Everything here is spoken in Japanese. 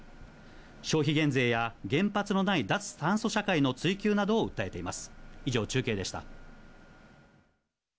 消費減税や原発のない脱炭素社会の追求などを訴えています。